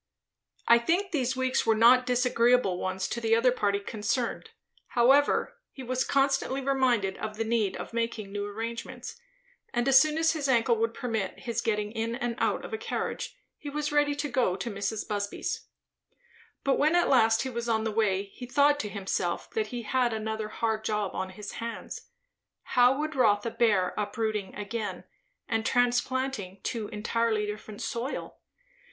I think these weeks were not disagreeable ones to the other party concerned; however, he was constantly reminded of the need of making new arrangements; and as soon as his ankle would permit his getting in and out of a carriage, he was ready to go to Mrs. Busby's. But when at last he was on the way, he thought to himself that he had another hard job on his hands. How would Rotha bear uprooting again, and transplanting to entirely different soil?